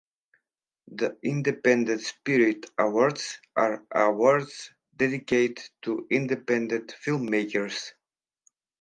The Independent Spirit Awards are awards dedicated to independent filmmakers.